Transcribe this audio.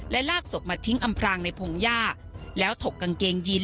และลากศพมาทิ้งอำพรางในพงหญ้าแล้วถกกางเกงยิน